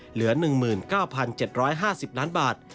เหลือ๑๙๗๕๐ล้านบาท